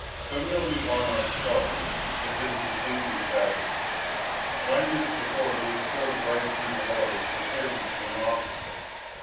Semyon Ivanov's health had been completely shattered. Nine years before he had served right through the war as servant to an officer.